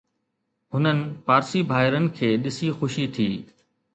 هنن پارسي ڀائرن کي ڏسي خوشي ٿي